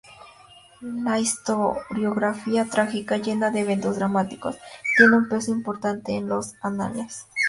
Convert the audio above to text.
La historiografía trágica, llena de eventos dramáticos, tiene un peso importante en los "Annales".